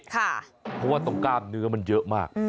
เพราะว่าตรงกล้ามเนื้อมันเยอะมาก